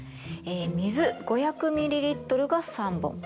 水５００ミリリットルが３本。